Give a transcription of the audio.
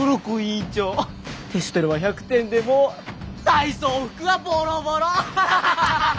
テストでは１００点でも体操服はボロボロ！